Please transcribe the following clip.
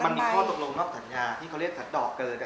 มันมีข้อตกลงนอกสัญญาที่เขาเรียกขัดดอกเกิน